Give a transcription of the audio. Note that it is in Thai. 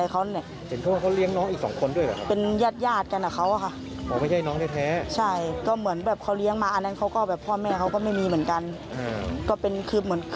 เขาส่งเสียเรียนด้วยหรือครับ